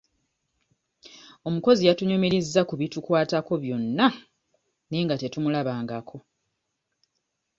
Omukozi yatunyumirizza ku bitukwatako byonna naye nga tetumulabangako.